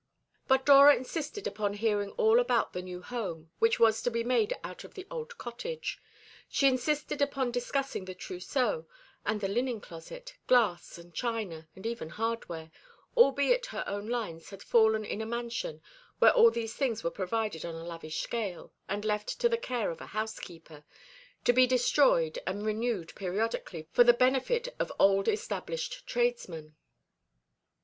But Dora insisted upon hearing all about the new home which was to be made out of the old cottage. She insisted upon discussing the trousseau and the linen closet, glass and china, and even hardware; albeit her own lines had fallen in a mansion where all these things were provided on a lavish scale, and left to the care of a housekeeper, to be destroyed and renewed periodically, for the benefit of old established tradesmen.